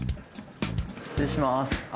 失礼します。